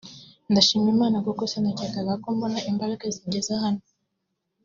“Ndashimira Imana kuko sinakekaga ko nabona imbaraga zingeza hano